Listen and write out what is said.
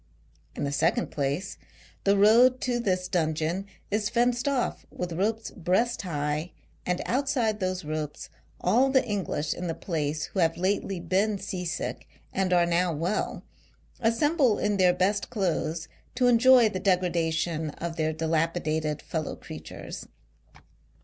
In the second place, the road to this dungeon is fenced off with ropes breast high, and outside those ropes all the English in the place who have lately been sea sick and are now well, assemble in their best clothes to enjoy the degradation of their dilapidated fellow creatures.